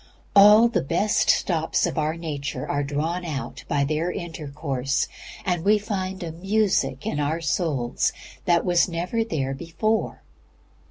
All the best stops in our nature are drawn out by their intercourse, and we find a music in our souls that was never there before.